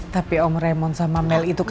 tapi om raymond sama mel itu